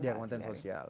ya kementerian sosial